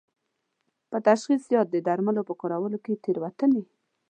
په تشخیص یا د درملو په ورکولو کې تېروتنې